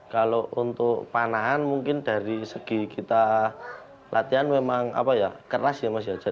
kalau untuk panahan mungkin dari segi kita latihan memang keras ya mas